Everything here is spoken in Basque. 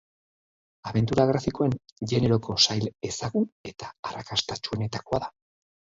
Abentura grafikoen generoko sail ezagun eta arrakastatsuenetakoa da.